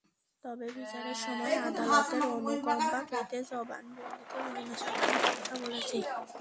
তবে বিচারের সময় আদালতের অনুকম্পা পেতে জবানবন্দিতে ময়না সাজানো কথা বলেছে।